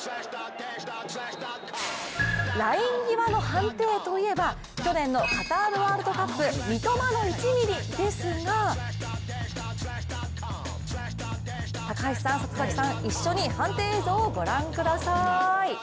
ライン際の判定といえば去年のカタールワールドカップ三笘の１ｍｍですが高橋さん、里崎さん、一緒に判定映像をご覧ください。